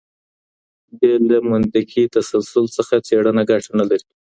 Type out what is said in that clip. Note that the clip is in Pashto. بې له منطقي تسلسل څخه څېړنه ګټه نلري.